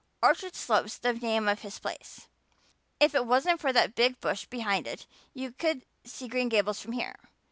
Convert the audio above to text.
Orchard Slope's the name of his place. If it wasn't for that big bush behind it you could see Green Gables from here.